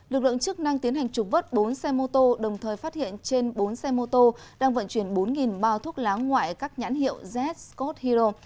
lực lượng chức năng tiến hành trục vất bốn xe mô tô đồng thời phát hiện trên bốn xe mô tô đang vận chuyển bốn bao thuốc lá ngoại các nhãn hiệu z code hero